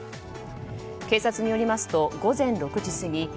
警察によりますと午前６時過ぎ